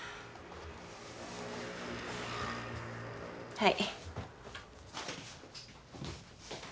はい。